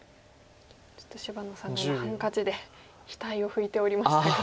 ちょっと芝野さんが今ハンカチで額を拭いておりまして。